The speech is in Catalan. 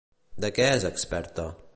De què és experta?